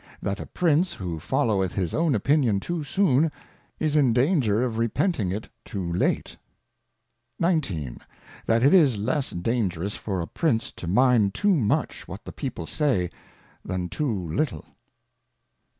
That a Prince who followeth his own Opinion top soon, is in danger of repenting it too late. 19. That it is less dangerous for a Prince to mind too much what the Peo^le^BMi t^^" *°°^^*'^^ 30.